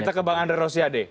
kita ke bang andre rosiade